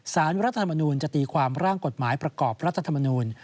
สารรัฐธรรมนูลจะตีความร่างกฎหมายประกอบรัฐธรรมนูล